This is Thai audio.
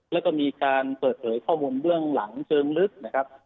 แล้วก็มีการเปิดเผยข้อมูลเบื้องหลังเชิงลึกนะครับ